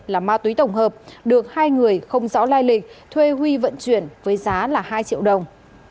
là ma túy tổng hợp được hai người không rõ lai lịch thuê huy vận chuyển với giá là hai triệu đồng